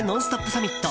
サミット。